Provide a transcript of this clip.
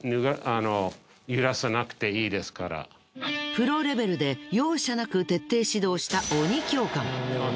プロレベルで容赦なく徹底指導した。